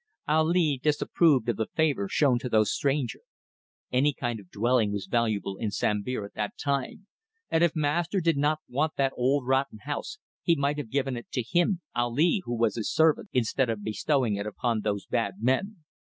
Ali disapproved of the favour shown to those strangers. Any kind of dwelling was valuable in Sambir at that time, and if master did not want that old rotten house he might have given it to him, Ali, who was his servant, instead of bestowing it upon those bad men.